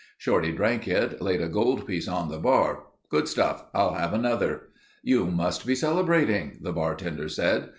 Shorty drank it, laid a goldpiece on the bar. "Good stuff. I'll have another." "You must be celebrating," the bartender said.